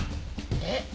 えっ？